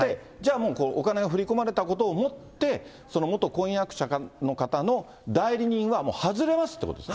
もう、お金が振り込まれたことをもって、元婚約者の方の代理人はもう外れますということですね。